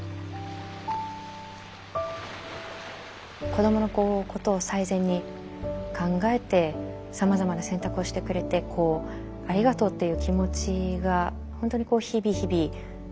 子どものことを最善に考えてさまざまな選択をしてくれてありがとうっていう気持ちが本当に日々日々強まるばかりですけれど。